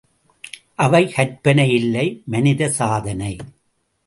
அவை கற்பனை இல்லை மனித சாதனை.